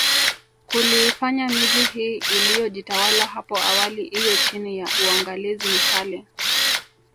Kuliifanya miji hii iliyojitawala hapo awali iwe chini ya uangalizi mkali